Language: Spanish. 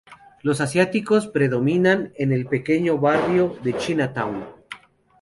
Los asiáticos predominan en el pequeño barrio de Chinatown.